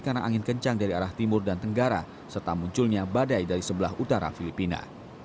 karena angin kencang dari arah timur dan tenggara serta munculnya badai dari sebelah utara filipina